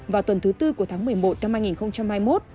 vào tuần thứ tư của tháng một mươi một năm hai nghìn hai mươi một